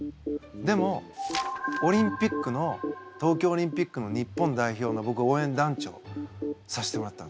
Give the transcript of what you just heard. でもオリンピックの東京オリンピックの日本代表のぼく応援団長させてもらったんです。